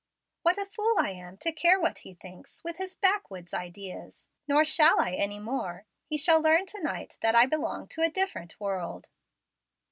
"What a fool I am to care what he thinks, with his backwoods ideas! Nor shall I any more. He shall learn to night that I belong to a different world."